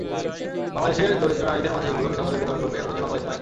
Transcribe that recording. বাংলাদেশের দরিদ্র নারীদের মাঝে এগুলো বিনা মূল্যে বিতরণ করবে অজি বাংলা স্মাইল।